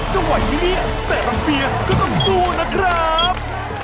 จะไหวนี้แต่รักเมียก็ต้องสู้นะครับ